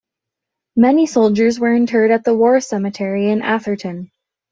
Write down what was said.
Many soldiers were interred at the war cemetery in Atherton.